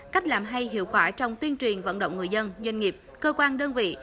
cách làm hay hiệu quả trong tuyên truyền vận động người dân doanh nghiệp cơ quan đơn vị